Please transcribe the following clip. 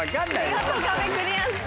見事壁クリアです。